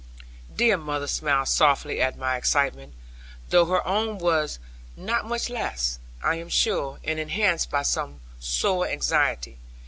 Dear mother smiled softly at my excitement, though her own was not much less, I am sure, and enhanced by sore anxiety.